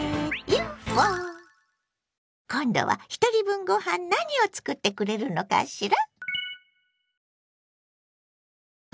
今度はひとり分ご飯何を作ってくれるのかしら？